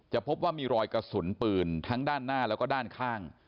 พบว่ามีรอยกระสุนปืนทั้งด้านหน้าแล้วก็ด้านข้าง